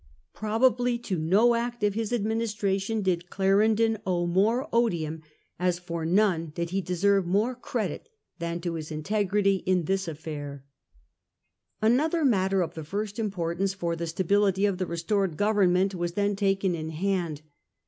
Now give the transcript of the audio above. Probably to no act of his administration did Clarendon owe more odium, as for 90 Restoration of Monarchy in England, 16C0. none did he deserve more credit, than to his integrity in this affair. Another matter of the first importance for the stability of the restored government was then taken in hand.